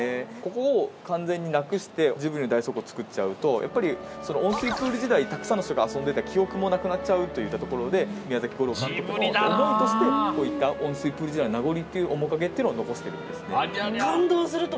ここを完全になくしてジブリの大倉庫造っちゃうと温水プール時代、たくさんの人が遊んでた記憶もなくなっちゃうといったところで宮崎吾朗監督の思いとして温水プール時代の名残という面影っていうのを残しているんですね。